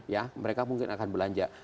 ya mereka mungkin akan belanja